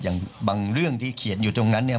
อย่างบางเรื่องที่เขียนอยู่ตรงนั้นเนี่ย